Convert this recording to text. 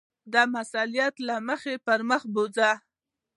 د مسؤلیت له مخې پر مخ بوځي.